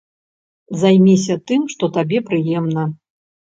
Займіся тым, што табе прыемна.